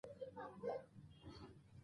د ژبې لوړتیا زموږ ویاړ دی.